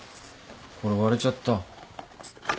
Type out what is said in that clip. これ割れちゃった。